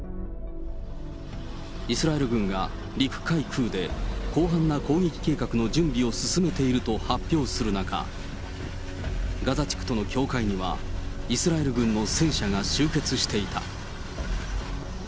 イスラエル軍が陸海空で、広範な攻撃計画の準備を進めていると発表する中、ガザ地区との境界には、イスラエル軍の戦車が集結していた。